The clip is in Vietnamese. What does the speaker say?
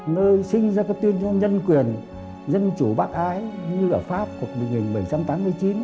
nơi sinh ra cái tuyên ngôn nhân quyền dân chủ bác ái như ở pháp của một nghìn bảy trăm tám mươi chín